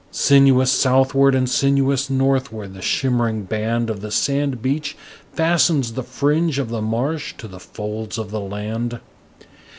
Sinuous southward and sinuous northward the shimmering band Of the sand beach fastens the fringe of the marsh to the folds of the land.